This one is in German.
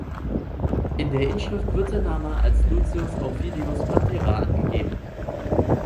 In der Inschrift wird sein Name als Lucius Aufidius Pantera angegeben.